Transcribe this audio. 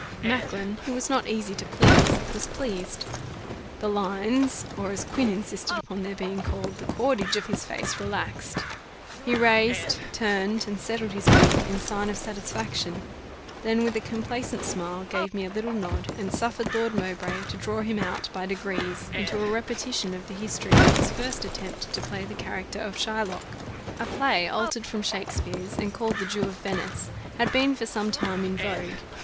Macklin, who was not asy to please, was pleased. The lines, or as Quin insisted upon their being called, the cordage of his face relaxed. He raised, turned, and settled his wig, in sign of satisfaction; then with a complacent smile gave me a little nod, and suffered Lord Mowbray to draw him out by degrees into a repetition of the history of his first attempt to play the character of Shylock. A play altered from Shakespeare's, and called "The Jew of Venice," had been for some time in vogue.